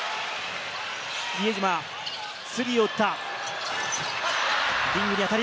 比江島、スリーを打った。